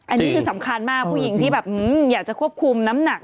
อันนี้คือสำคัญมากผู้หญิงที่แบบอยากจะควบคุมน้ำหนัก